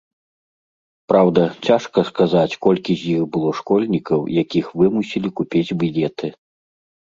Праўда, цяжка сказаць колькі з іх было школьнікаў, якіх вымусілі купіць білеты.